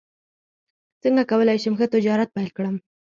څنګه کولی شم ښه تجارت پیل کړم